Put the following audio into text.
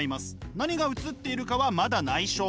何が写っているかはまだないしょ。